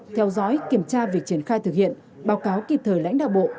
theo dõi kiểm tra việc triển khai thực hiện báo cáo kịp thời lãnh đạo bộ